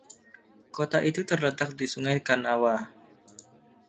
Kota itu terletak di Sungai Kanawha.